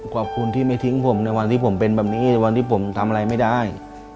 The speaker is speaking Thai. ขอบคุณที่ไม่ทิ้งผมในวันที่ผมเป็นแบบนี้ในวันที่ผมทำอะไรไม่ได้